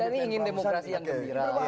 ini ingin demokrasi yang gembira